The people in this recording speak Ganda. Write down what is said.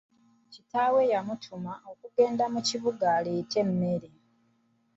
Kitaawe yamutuma okugenda mu kibuga aleete emmere.